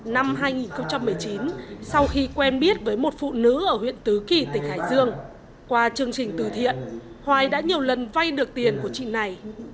năm hai nghìn một mươi chín sau khi quen biết với một phụ nữ ở huyện tứ kỳ tỉnh hải dương qua chương trình từ thiện hoài đã nhiều lần vay được tiền của chị này